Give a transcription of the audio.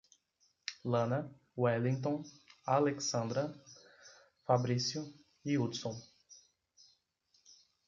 Lana, Welinton, Alexandra, Fabrício e Hudson